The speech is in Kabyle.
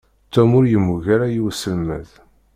Tom ur yemmug ara i uselmed.